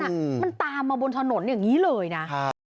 มันตามมาบนถนนอย่างนี้เลยนะ